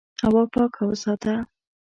هوا پاکه وساته.